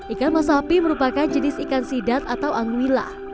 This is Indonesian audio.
ikan masapi merupakan jenis ikan sidat atau angwilla